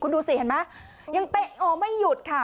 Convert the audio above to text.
คุณดูสิเห็นไหมยังเตะโอไม่หยุดค่ะ